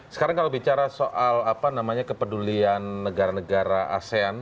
sekarang kalau bicara soal kepedulian negara negara asean